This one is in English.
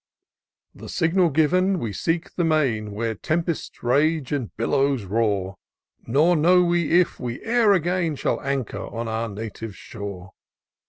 The signal given, we seek the main, Where tempests rage, and billows roar ; Nor know we if we e'er, again Shall anchor on our native shore.